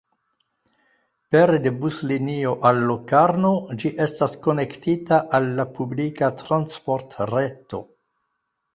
Pere de buslinio al Locarno, ĝi estas konektita al la publika transportreto.